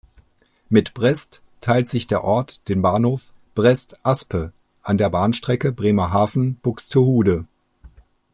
Mit Brest teilt sich der Ort den Bahnhof Brest–Aspe an der Bahnstrecke Bremerhaven–Buxtehude.